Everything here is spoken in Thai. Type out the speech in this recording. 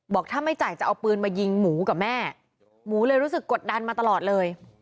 บอกถ้าไม่จ่ายจะเอาปืนมายิงหมูกับแม่หมูเลยรู้สึกกดดันมาตลอดเลย